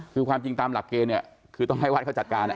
คือความจริงตามหลักเกลี่ยคือก็ให้วาทเขาจัดการค่ะ